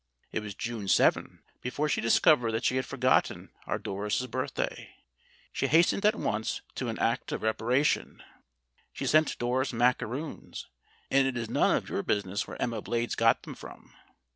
It was June 7 before she discovered that she had forgotten our Doris's birthday. She hastened at once to an act of repara tion. She sent Doris macaroons and it is none of your business where Emma Blades got them from.